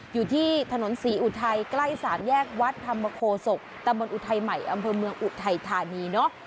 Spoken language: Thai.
อยู่ที่ถนนศรีอุทัยใกล้สามแยกวัดธรรมโคศกตำบลอุทัยใหม่อำเภอเมืองอุทัยธานีเนอะ